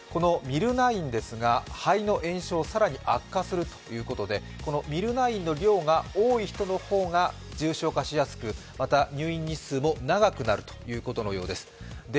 このＭｙｌ９ですが肺の炎症を更に悪化するということでＭｙｌ９の量が多い人の方が重症化しやすくまた、入院日数も長くなるということのようです。